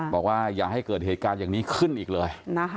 บอกว่าอย่าให้เกิดเหตุการณ์อย่างนี้ขึ้นอีกเลย